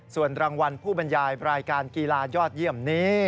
ส่วนรางวัลผู้บรรยายรายการกีฬายอดเยี่ยมนี้